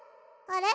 あれ？